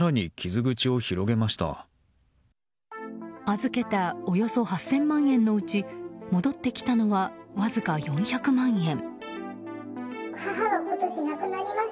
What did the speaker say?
預けたおよそ８０００万円のうち戻ってきたのはわずか４００万円。